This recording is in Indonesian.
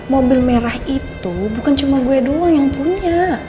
mobil merah itu bukan cuma gue doang yang punya